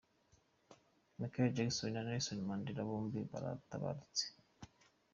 Michael Jackson na Nelson Mandela bombi baratabarutse.